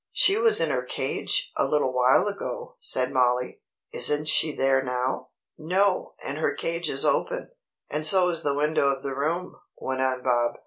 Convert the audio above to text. "She was in her cage, a little while ago," said Mollie. "Isn't she there now?" "No, and her cage is open, and so is the window of the room," went on Bob.